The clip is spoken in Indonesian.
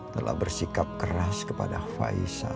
telah bersikap keras kepada faisal